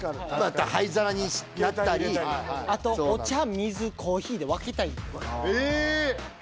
灰皿になったり携帯入れたりあとお茶水コーヒーで分けたいえ！